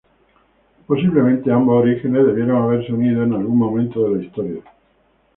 Posiblemente ambos orígenes debieron haberse unido en algún momento de la historia.